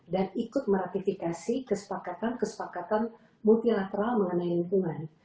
dan ikut meratifikasi kesepakatan kesepakatan multilateral mengenai lingkungan